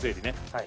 はい。